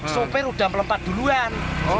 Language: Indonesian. soper sudah melempat duluan